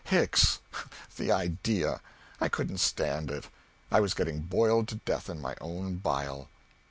Hicks the idea! I couldn't stand it; I was getting boiled to death in my own bile.